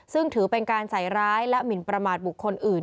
ซึ่งถือเป็นการใส่ร้ายและหมินประมาทบุคคลอื่น